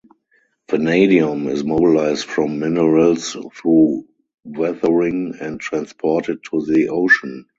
Vanadium is mobilized from minerals through weathering and transported to the ocean.